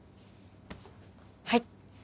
はい。